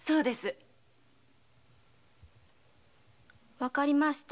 分かりました。